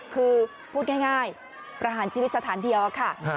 คือพูดง่ายประหารชีวิตสถานเดียวค่ะ